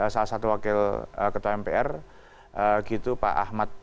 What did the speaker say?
salah satu wakil ketua mpr gitu pak ahmad